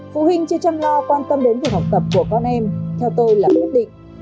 phụ huynh chưa chăm lo quan tâm đến việc học tập của con em theo tôi là quyết định